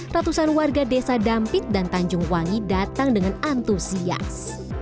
ratusan warga desa dampit dan tanjung wangi datang dengan antusias